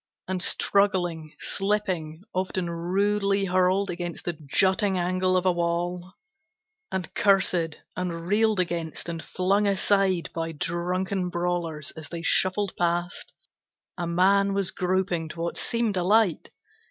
And struggling, slipping, often rudely hurled Against the jutting angle of a wall, And cursed, and reeled against, and flung aside By drunken brawlers as they shuffled past, A man was groping to what seemed a light.